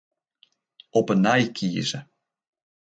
Op 'e nij kieze.